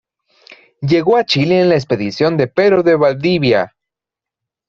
Llegó a Chile en la expedición de Pedro de Valdivia.